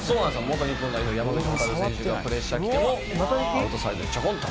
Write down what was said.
「元日本代表の山口蛍選手のプレッシャー来てもアウトサイドでちょこんと」